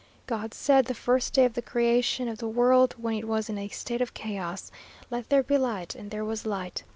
"God said, the first day of the creation of the world, when it was in a state of chaos, _'Let there be light, and there was light.'